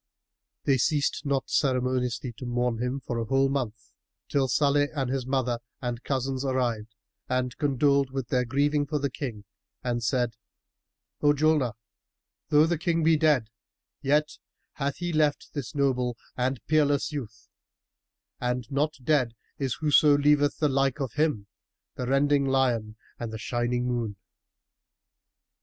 They ceased not ceremonially to mourn for him a whole month, till Salih and his mother and cousins arrived and condoled with their grieving for the King and said, "O Julnar, though the King be dead, yet hath he left this noble and peerless youth, and not dead is whoso leaveth the like of him, the rending lion and the shining moon."